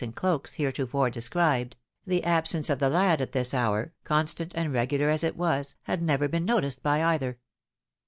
65 and cloaks heretofore described — the absence of the lad at this liour, constant and regular as it was, had never been noticed by either.